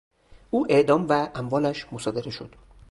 او اعدام و اموالش مصادره شد.